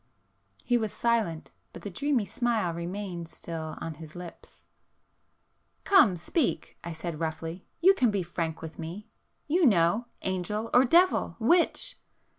He was silent, but the dreamy smile remained still on his lips. "Come, speak!" I said roughly—"You can be frank with me, you know,—angel or devil—which?"